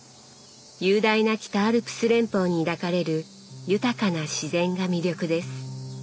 雄大な北アルプス連峰に抱かれる豊かな自然が魅力です。